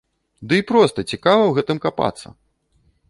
Ды і проста цікава ў гэтым капацца!